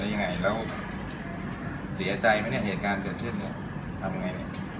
ยังไงแล้วเสียใจไหมเนี่ยเหตุการณ์เกิดขึ้นเนี่ยทำยังไงเนี่ย